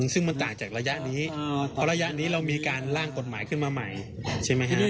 ซึ่งมันต่างจากระยะนี้เพราะระยะนี้เรามีการล่างกฎหมายขึ้นมาใหม่ใช่ไหมฮะ